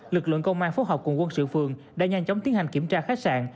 lực lượng công an phố hợp cùng quân sự phường đã nhanh chóng tiến hành kiểm tra khách sạn